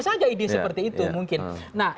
saja ide seperti itu mungkin nah